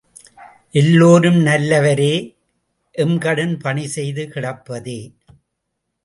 எல்லோரும் நல்லவரே எம்கடன் பணி செய்து கிடப்பதே!